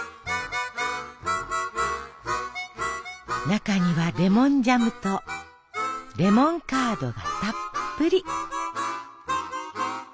中にはレモンジャムとレモンカードがたっぷり。